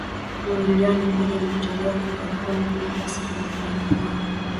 Milioni moja ilitolewa kwa makampuni kulipa sehemu ya deni hilo